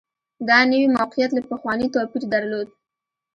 دا نوي موقعیت له پخواني توپیر درلود